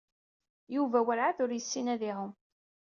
Yuba werɛad ur yessin ad iɛum.